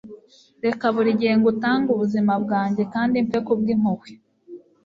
reka buri gihe ngutange ubuzima bwanjye, kandi mpfe kubwimpuhwe